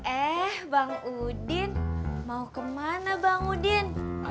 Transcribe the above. eh bang udin mau ke mana bang udin